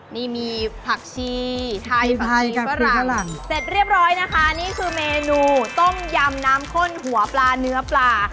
นี่มีผักชีไทยไฟฝรั่งเสร็จเรียบร้อยนะคะนี่คือเมนูต้มยำน้ำข้นหัวปลาเนื้อปลา